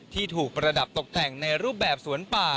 ที่ถูกประดับตกแต่งในรูปแบบสวนป่า